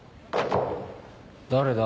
誰だ？